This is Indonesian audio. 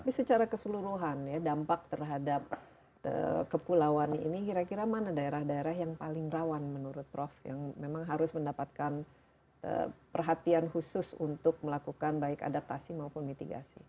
tapi secara keseluruhan ya dampak terhadap kepulauan ini kira kira mana daerah daerah yang paling rawan menurut prof yang memang harus mendapatkan perhatian khusus untuk melakukan baik adaptasi maupun mitigasi